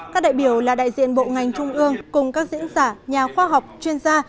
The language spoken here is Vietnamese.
các đại biểu là đại diện bộ ngành trung ương cùng các diễn giả nhà khoa học chuyên gia